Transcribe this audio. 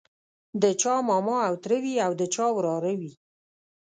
د چا ماما او تره وي او د چا وراره وي.